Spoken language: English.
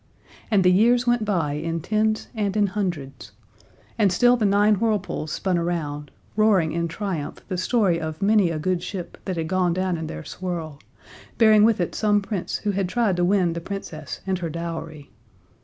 And the years went by in tens and in hundreds, and still the Nine Whirlpools spun around, roaring in triumph the story of many a good ship that had gone down in their swirl, bearing with it some Prince who had tried to win the Princess and her dowry.